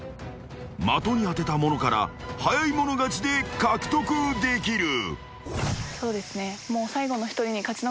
［的に当てた者から早い者勝ちで獲得できる］